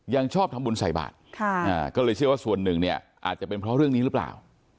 ยังชอบทำบุญใส่บาทก็เลยเชื่อว่าส่วนหนึ่งเนี่ยอาจจะเป็นเพราะเรื่องนี้หรือเปล่า